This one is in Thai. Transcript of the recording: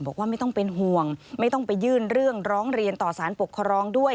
บอกว่าไม่ต้องเป็นห่วงไม่ต้องไปยื่นเรื่องร้องเรียนต่อสารปกครองด้วย